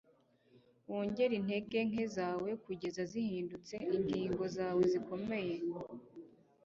wongere intege nke zawe kugeza zihindutse ingingo zawe zikomeye. - knute rockne